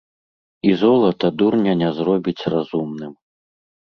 І золата дурня не зробіць разумным.